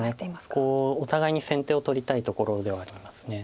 ここお互いに先手を取りたいところではあります。